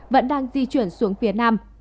vẫn đang di chuyển xuống phía nam